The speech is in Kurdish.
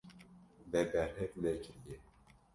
Me berhev nekiriye.